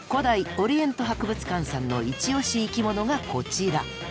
オリエント博物館さんのイチ推し生きものがこちら。